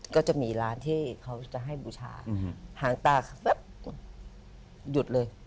ก็จะมีร้านที่เขาจะให้บูชาหางตาเขาแบบหยุดเลย